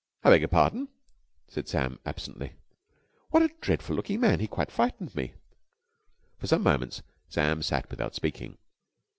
"I beg your pardon?" said Sam absently. "What a dreadful looking man! He quite frightened me!" For some moments Sam sat without speaking.